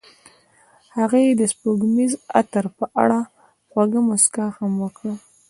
هغې د سپوږمیز عطر په اړه خوږه موسکا هم وکړه.